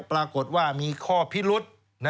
ปรากฏว่ามีข้อพิรุษ